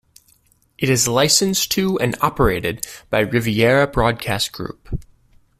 It is licensed to and operated by Riviera Broadcast Group.